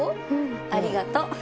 ありがとう。